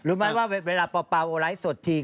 รู้ไหมว่าเวลาเปล่าไลฟ์สดที